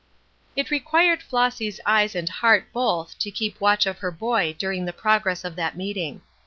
It required Flossy's eyes and heart both to keep watch of her boy during the progress of that meeting.